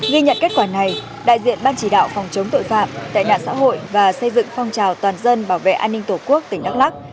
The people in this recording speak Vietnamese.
ghi nhận kết quả này đại diện ban chỉ đạo phòng chống tội phạm tệ nạn xã hội và xây dựng phong trào toàn dân bảo vệ an ninh tổ quốc tỉnh đắk lắc